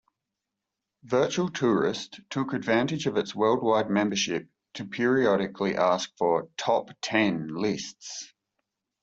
VirtualTourist took advantage of its worldwide membership to periodically ask for "Top Ten" lists.